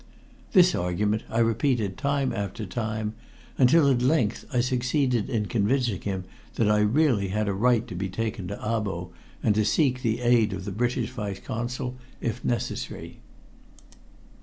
This argument I repeated time after time, until at length I succeeded in convincing him that I really had a right to be taken to Abo, and to seek the aid of the British Vice Consul if necessary.